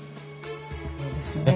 そうですね。